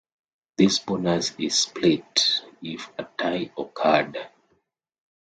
This bonus is split if a tie occurred.